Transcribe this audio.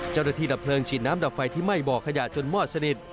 ดับเพลิงฉีดน้ำดับไฟที่ไหม้บ่อขยะจนมอดสนิท